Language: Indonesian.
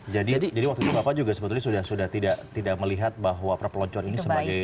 jadi waktu itu bapak juga sebetulnya sudah tidak melihat bahwa perpeloncoan ini sebagai